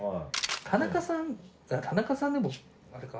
田中さん田中さんでもあれか。